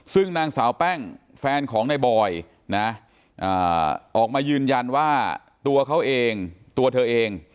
ซึ่งนางสาวแป้งแฟนของในบอยนะออกมายืนยันว่าตัวเขาเองตัวเธอเอง